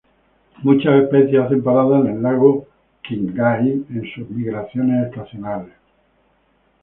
Muchas especies hacen parada en el lago Qinghai en sus migraciones estacionales.